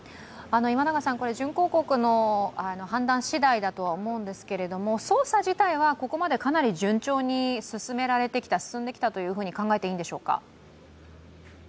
準抗告の判断次第だとは思うんですけど、捜査自体はこれまでかなり順調に進められてきたと考えていいんでしょうか。